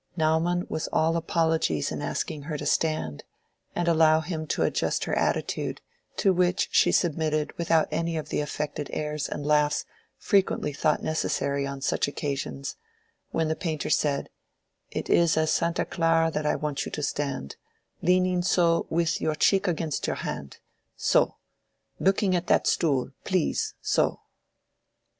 Naumann was all apologies in asking her to stand, and allow him to adjust her attitude, to which she submitted without any of the affected airs and laughs frequently thought necessary on such occasions, when the painter said, "It is as Santa Clara that I want you to stand—leaning so, with your cheek against your hand—so—looking at that stool, please, so!"